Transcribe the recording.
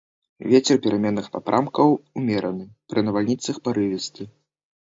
Вецер пераменных напрамкаў умераны, пры навальніцах парывісты.